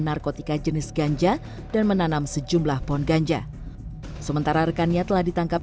narkotika jenis ganja dan menanam sejumlah pohon ganja sementara rekannya telah ditangkap